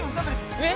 えっ？